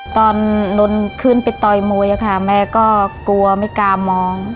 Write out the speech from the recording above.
ตอนลนขึ้นไปต่อยมวยค่ะแม่ก็กลัวไม่กล้ามอง